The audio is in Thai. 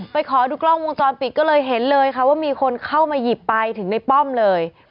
ขอดูกล้องวงจรปิดก็เลยเห็นเลยค่ะว่ามีคนเข้ามาหยิบไปถึงในป้อมเลย